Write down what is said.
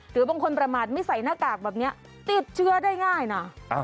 หรือบางคนประมาทไม่ใส่หน้ากากแบบนี้ติดเชื้อได้ง่ายนะ